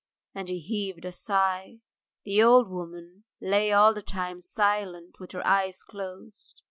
And he heaved a sigh. The old woman lay all the time silent with her eyes closed.